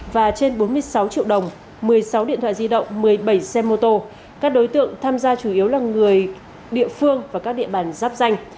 và trên bốn mươi sáu triệu đồng một mươi sáu điện thoại di động một mươi bảy xe mô tô các đối tượng tham gia chủ yếu là người địa phương và các địa bàn giáp danh